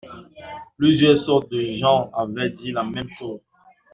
Plusieurs sortes de gens avaient dit la même chose.